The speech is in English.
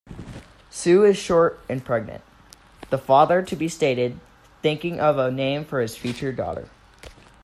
"Sue is short and pregnant", the father-to-be stated, thinking of a name for his future daughter.